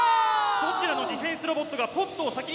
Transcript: どちらのディフェンスロボットがポットを先につかむのか？